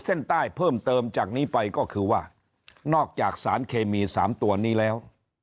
เส้นใต้เพิ่มเติมจากนี้ไปก็คือว่านอกจากสารเคมี๓ตัวนี้แล้ว